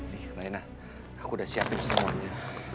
nih raina aku udah siapin semuanya